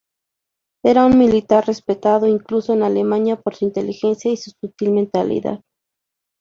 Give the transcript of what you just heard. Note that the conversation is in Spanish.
Era un militar respetado, incluso en Alemania, por su inteligencia y su sutil mentalidad.